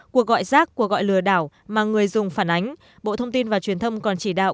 cuộc gọi rác cuộc gọi lừa đảo mà người dùng phản ánh bộ thông tin và truyền thông còn chỉ đạo